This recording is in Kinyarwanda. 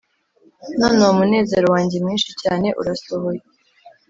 none uwo munezero wanjye mwinshi cyane urasohoye